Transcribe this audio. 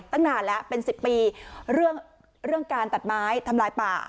ตั้งนานแล้วเป็น๑๐ปีเรื่องเรื่องการตัดไม้ทำลายป่า